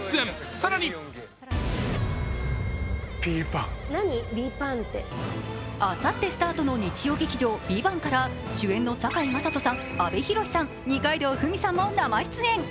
更にあさってスタートの日曜劇場の「ＶＩＶＡＮＴ」から主演の堺雅人さん、阿部寛さん、二階堂ふみさんも生出演。